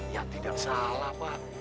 ya tidak salah pak